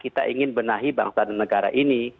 kita ingin benahi bangsa dan negara ini